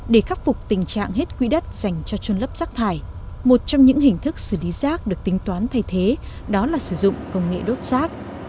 để khắc phục tình trạng hết quỹ đất dành cho trôn lấp rác thải một trong những hình thức xử lý rác được tính toán thay thế đó là sử dụng công nghệ đốt rác